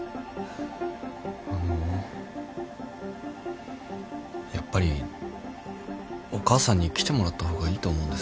あのやっぱりお母さんに来てもらった方がいいと思うんです。